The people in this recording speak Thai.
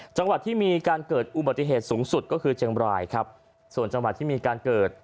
จังหวัดที่มีการเกิดอุบัติเหตุสูงสุดก็คือเจ้งไบร์